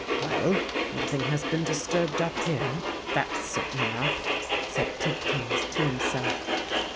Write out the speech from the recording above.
"Well, nothing has been disturbed up here—that's certain enough," said Tidkins to himself.